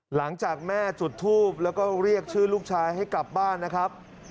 หลังจากแม่จุดทูบแล้วก็เรียกชื่อลูกชายให้กลับบ้านนะครับ